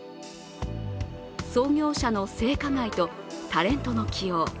創業者の性加害とタレントの起用。